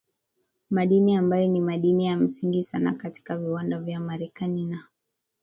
madini ambayo ni madini ya msingi sana katika viwanda vya marekani na